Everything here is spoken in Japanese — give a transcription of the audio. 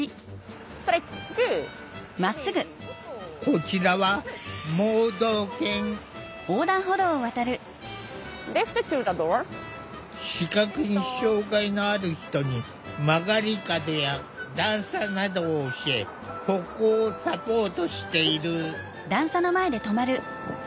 こちらは視覚に障害のある人に曲がり角や段差などを教え歩行をサポートしている。